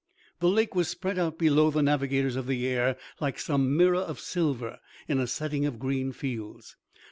The lake was spread out below the navigators of the air like some mirror of silver in a setting of green fields.